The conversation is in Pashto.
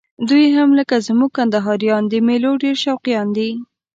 دوی هم لکه زموږ کندهاریان د میلو ډېر شوقیان دي.